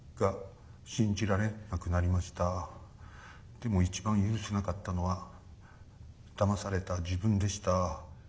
でも一番許せなかったのはだまされた自分でした。